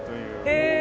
へえ！